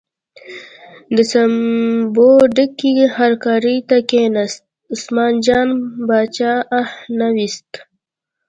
د سبو ډکې هرکارې ته کیناست، عثمان جان باچا اه نه ویست.